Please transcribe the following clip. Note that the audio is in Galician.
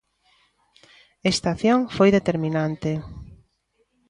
Esta acción foi determinante.